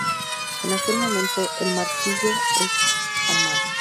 En aquel momento, el martillo es armado.